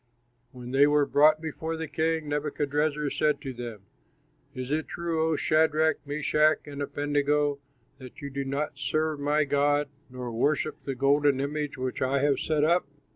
When they were brought before the king, Nebuchadrezzar said to them, "Is it true, O Shadrach, Meshach, and Abednego, that you do not serve my god nor worship the golden image which I have set up?